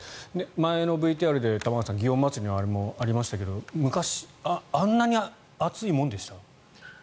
前のＶＴＲで祇園祭のあれもありましたが昔、あんなに暑いものでした？